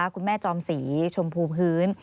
คุณแม่จอมสีชมพูพื้น